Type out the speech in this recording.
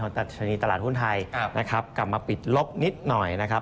ดัชนีตลาดหุ้นไทยนะครับกลับมาปิดลบนิดหน่อยนะครับ